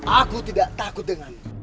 aku tidak takut denganmu